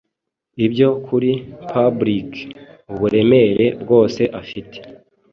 Ibyo kuri Publick uburemere bwoe afite